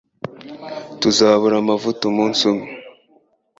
Tuzabura amavuta umunsi umwe.